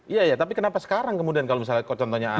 iya iya tapi kenapa sekarang kemudian kalau misalnya contohnya anies